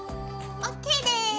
ＯＫです！